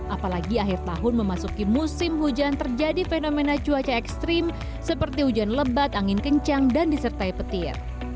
apalagi akhir tahun memasuki musim hujan terjadi fenomena cuaca ekstrim seperti hujan lebat angin kencang dan disertai petir